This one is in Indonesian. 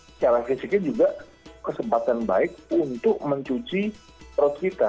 secara fisiknya juga kesempatan baik untuk mencuci perut kita